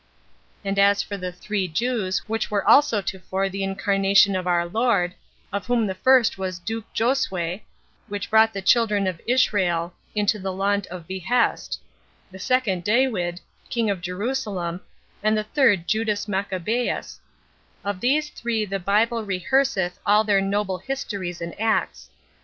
And as for the thre Jewes whyche also were tofore thyncarnacyon of our Lord, of whome the fyrst was Duc Josue, whyche brought the chyldren of Israhel into the londe of beheste; the second Dauyd, kyng of Jherusalem, and the thyrd Judas Machabeus; of these thre the byble reherceth al theyr noble hystoryes and actes.